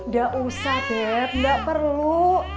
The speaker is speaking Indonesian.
gak usah beb gak perlu